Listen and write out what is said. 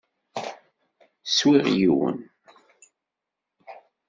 Swiɣ yiwen.